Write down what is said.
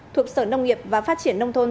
thuộc sở nông nghiệp và phát triển nông thôn